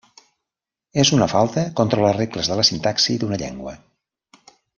És una falta contra les regles de la sintaxi d’una llengua.